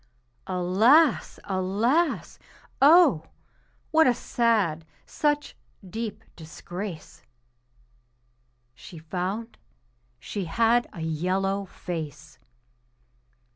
Alas! alas! Oh! what a sad, such deep disgrace! She found she had a yellow face.